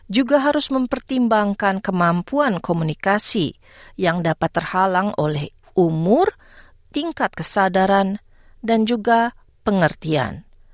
juga harus mempertimbangkan kemampuan komunikasi yang dapat terhalang oleh umur tingkat kesadaran dan juga pengertian